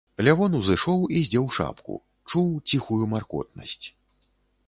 Лявон узышоў і здзеў шапку, чуў ціхую маркотнасць.